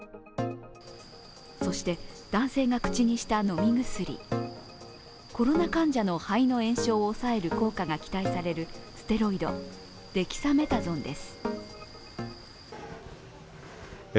そして、男性が口にした飲み薬、コロナ患者の肺の炎症を抑える効果が期待されるステロイド、デキサメタゾンです。